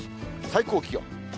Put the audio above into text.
最高気温。